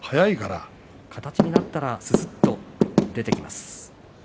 形になったらすすっと出てきます。